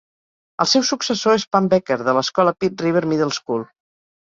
El seu successor és Pam Becker, de l'escola Pitt River Middle School.